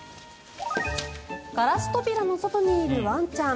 ガラス扉の外にいるワンちゃん。